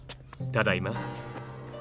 ただいま。